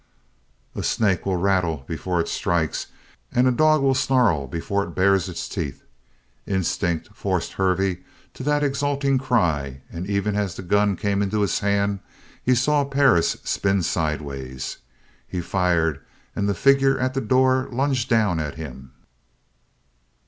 A snake will rattle before it strikes and a dog will snarl before it bares its teeth: instinct forced Hervey to that exulting cry and even as the gun came into his hand he saw Perris spin sideways. He fired and the figure at the door lunged down at him.